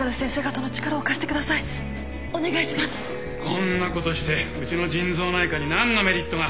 こんなことしてうちの腎臓内科に何のメリットが？